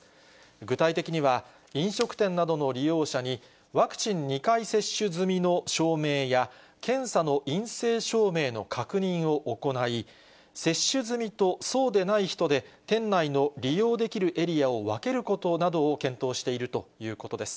具体的には、飲食店などの利用者に、ワクチン２回接種済みの証明や、検査の陰性証明の確認を行い、接種済みとそうでない人で店内の利用できるエリアを分けることなどを検討しているということです。